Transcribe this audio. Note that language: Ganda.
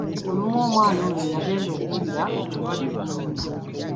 Olumu omwana ono yagenda okuwulira ng’obulwadde bumuluma.